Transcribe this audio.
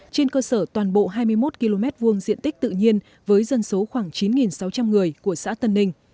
trên cơ sở toàn bộ hai mươi một km hai diện tích tự nhiên với dân số khoảng chín sáu trăm linh người của xã tân ninh